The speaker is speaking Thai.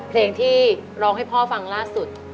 เพลงที่ร้องให้พ่อฟังล่าสุด